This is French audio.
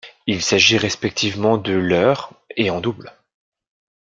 Il s'agit respectivement de leur et en double.